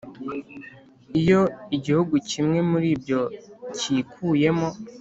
iyo igihugu kimwe muri byo kikuyemo